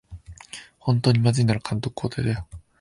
ほんとにまずいなら監督交代だよ